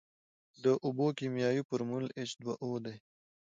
د اوبو کیمیاوي فارمول ایچ دوه او دی.